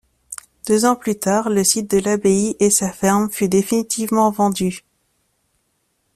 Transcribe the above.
Deux ans plus tard, le site de l'abbaye et sa ferme fut définitivement vendus.